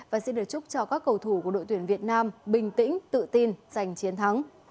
và xin được chúc cho các cầu thủ của đội tuyển việt nam bình tĩnh tự tin giành chiến thắng